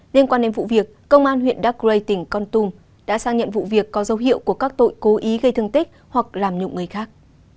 liên quan đến vụ việc công an huyện đắk rây tỉnh con tum đã sang nhận vụ việc có dấu hiệu của các tội cố ý gây thương tích hoặc làm nhụng người khác